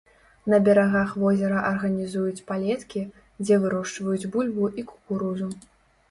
На берагах возера арганізуюць палеткі, дзе вырошчваюць бульбу і кукурузу.